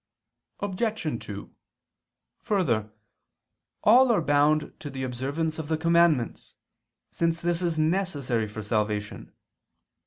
Obj. 2: Further, all are bound to the observance of the commandments, since this is necessary for salvation.